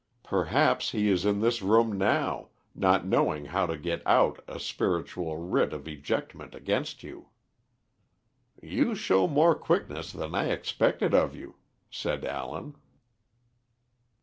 Perhaps he is in this room now, not knowing how to get out a spiritual writ of ejectment against you." "You show more quickness than I expected of you," said Allen.